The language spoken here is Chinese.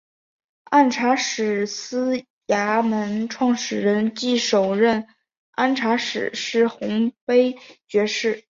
按察使司衙门创设人暨首任按察使是洪卑爵士。